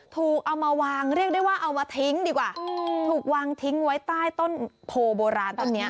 เอามาวางเรียกได้ว่าเอามาทิ้งดีกว่าถูกวางทิ้งไว้ใต้ต้นโพโบราณต้นนี้